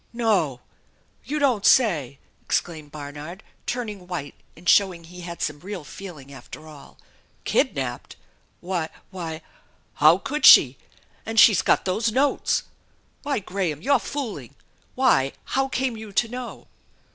"No! You don't sa^!" exclaimejd Barnard, turning white and showing he had some real feeling after all. e< Kid napped ! Why why how could she ? And she's got those notes! Why, Graham! You're fooling ! Why, how came you to know?"